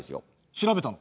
調べたの？